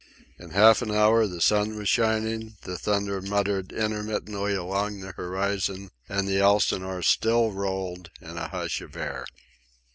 In half an hour the sun was shining, the thunder muttered intermittently along the horizon, and the Elsinore still rolled in a hush of air.